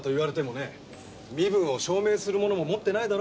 身分を証明するものも持っていないだろ？